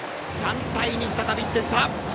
３対２、再び１点差。